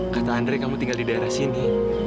kata andre kamu tinggal di daerah sini